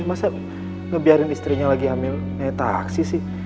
masa ngebiarin istrinya lagi hamil naik taksi sih